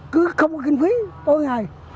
cứ không có kinh phí tối ngày